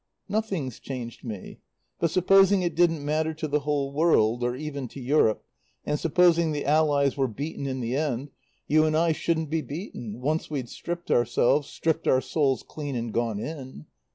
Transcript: "Nothing's changed me. But supposing it didn't matter to the whole world, or even to Europe, and supposing the Allies were beaten in the end, you and I shouldn't be beaten, once we'd stripped ourselves, stripped our souls clean, and gone in.